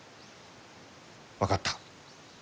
分かった。